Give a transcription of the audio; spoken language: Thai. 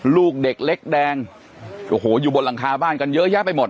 ลูกเด็กเล็กแดงโอ้โหอยู่บนหลังคาบ้านกันเยอะแยะไปหมด